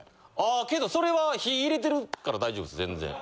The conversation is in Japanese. あけどそれは火入れてるから大丈夫です全然。